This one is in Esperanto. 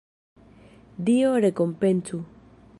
Dio rekompencu!